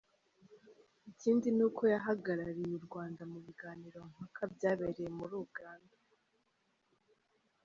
Ikindi ni uko yahagarariye u Rwanda mu biganiro mpaka byabereye muri Uganda.